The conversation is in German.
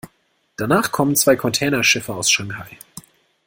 Danach kommen zwei Containerschiffe aus Shanghai.